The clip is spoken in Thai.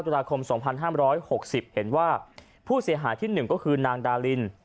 ตุลาคมสองพันห้ามร้อยหกสิบเห็นว่าผู้เสียหายที่หนึ่งก็คือนางดาลิน